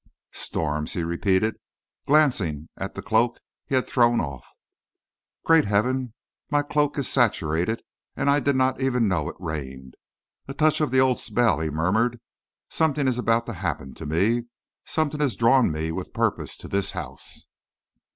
"Storms?" he repeated, glancing at the cloak he had thrown off. "Great Heaven! my cloak is saturated, and I did not even know it rained. A touch of the old spell," he murmured. "Something is about to happen to me; something has drawn me with purpose to this house."